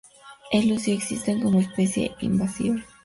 El lucio existe como especie invasiva.